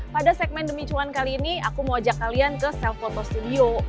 pada segmen demi cuan kali ini aku mau ajak kalian ke self photo studio